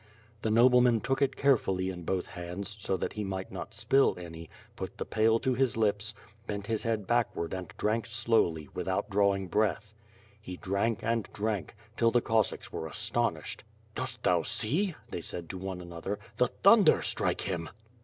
The nobleman took it carefully in both hands so that he might not spill any; put the pail to his lips, bent his head backward and drank slowly, without drawing breath. He drank and drank — till the Cossacks were astonished. "Dost thou see?" they said to one another, "the thunder strike him!"